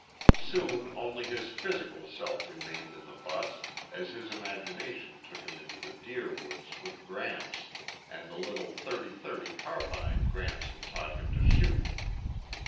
Soon only his physical self remained in the bus as his imagination took him into the deer woods with Gramps and the little thirty thirty carbine Gramps had taught him to shoot.